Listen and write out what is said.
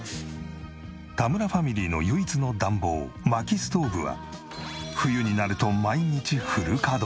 田村ファミリーの唯一の暖房薪ストーブは冬になると毎日フル稼働。